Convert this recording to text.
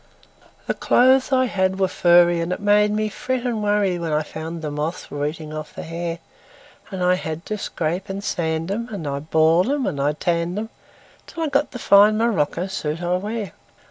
The clothes I had were furry, And it made me fret and worryWhen I found the moths were eating off the hair; And I had to scrape and sand 'em, And I boiled 'em and I tanned 'em, Till I got the fine morocco suit I wear.